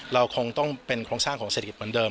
เราคงต้องเป็นโครงสร้างของเศรษฐกิจเหมือนเดิ